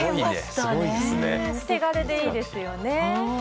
手軽でいいですよね。